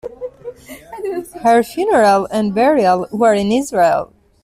Her funeral and burial were in Israel.